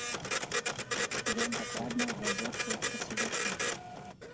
Ён дакладна ўвядзецца ў красавіку.